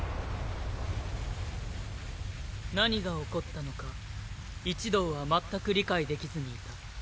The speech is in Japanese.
何が起こったのか一同は全く理解できずにいた。